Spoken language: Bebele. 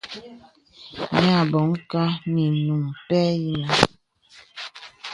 Yà bɔ̀ŋ kà nə inuŋ pɛ̂ yìnə̀.